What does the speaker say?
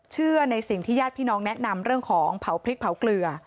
ในสิ่งที่ญาติพี่น้องแนะนำเรื่องของเผาพริกเผาเกลือ